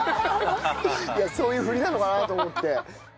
いやそういう振りなのかなと思って。